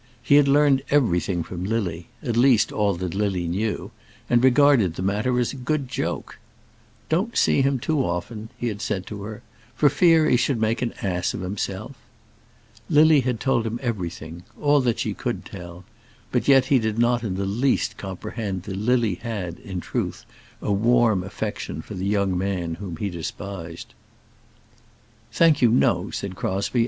He had learned everything from Lily, all, at least, that Lily knew, and regarded the matter rather as a good joke. "Don't see him too often," he had said to her, "for fear he should make an ass of himself." Lily had told him everything, all that she could tell; but yet he did not in the least comprehend that Lily had, in truth, a warm affection for the young man whom he despised. "Thank you, no," said Crosbie.